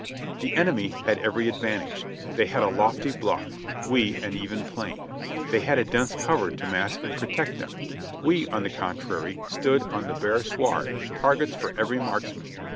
The enemy had every advantage; they had a lofty bluff; we, an even plain. They had a dense cover to mask and protect them ; we, on the contrary, stood on the bare sward, targets for every marksman.